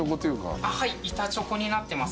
はい板チョコになってます。